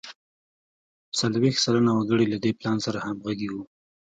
څلوېښت سلنه وګړي له دې پلان سره همغږي وو.